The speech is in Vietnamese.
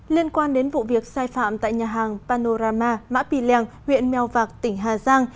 liên quan đến vụ việc sai phạm tại nhà hàng panorama mã pì lèng huyện mèo vạc tỉnh hà giang